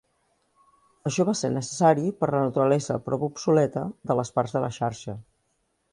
Això va ser necessari per la naturalesa prop obsoleta de les parts de la xarxa.